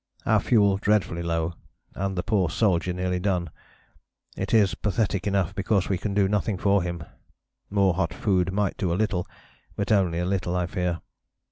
Our fuel dreadfully low and the poor Soldier nearly done. It is pathetic enough because we can do nothing for him; more hot food might do a little, but only a little, I fear.